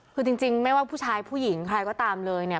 คือจริงไม่ว่าผู้ชายผู้หญิงใครก็ตามเลยเนี่ย